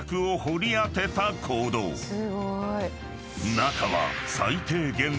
［中は］